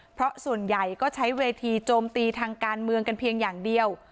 เพราะส่วนใหญ่ก็ใช้เวทีโจมตีทางการเมืองกันเพียงอย่างเดียว